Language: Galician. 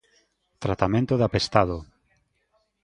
Tratamento de apestado.